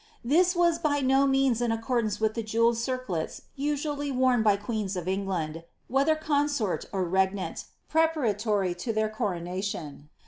This was by no means in ac cordance with the jewelled circlets usually worn by queens of England, whether consort or regnant, preparatory to their coronation.